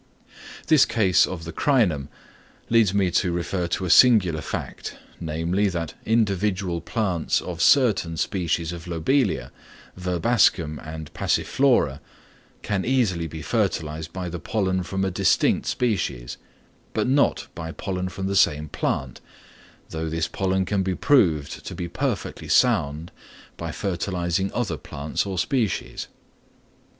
This case of the Crinum leads me to refer to a singular fact, namely, that individual plants of certain species of Lobelia, Verbascum and Passiflora, can easily be fertilised by the pollen from a distinct species, but not by pollen from the same plant, though this pollen can be proved to be perfectly sound by fertilising other plants or species.